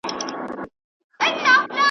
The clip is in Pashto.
یو څو ورځي په کلا کي ورته تم سو .